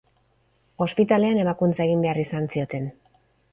Ospitalean ebakuntza egin behar izan zioten.